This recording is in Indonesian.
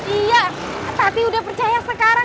iya tapi udah percaya sekarang